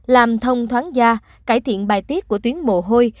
làm thông thoáng da cải thiện bài tiết của tuyến mồ hôi